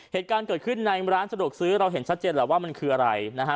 เหตุการณ์เกิดขึ้นในร้านสะดวกซื้อเราเห็นชัดเจนแหละว่ามันคืออะไรนะฮะ